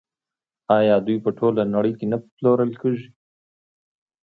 آیا دوی په ټوله نړۍ کې نه پلورل کیږي؟